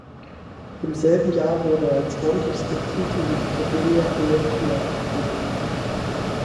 Im selben Jahr wurde er als ordentliches Mitglied in die Academia Europaea aufgenommen.